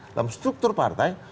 dalam struktur partai